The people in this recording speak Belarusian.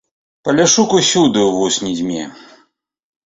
Паляшук усюды ў вус не дзьме.